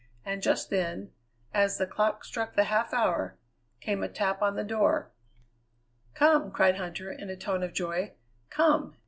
And just then, as the clock struck the half hour, came a tap on the door: "Come!" cried Huntter, in a tone of joy; "Come!"